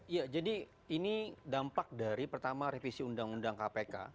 iya jadi ini dampak dari pertama revisi undang undang kpk